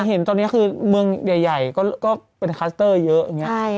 เห็นตอนนี้คือเมืองใหญ่ก็เป็นคลัสเตอร์เยอะอย่างนี้